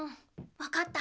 わかった。